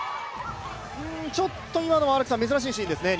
ちょっと今のは珍しいシーンですね